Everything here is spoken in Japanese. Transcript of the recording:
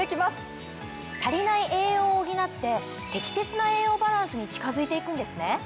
足りない栄養を補って適切な栄養バランスに近づいていくんですね。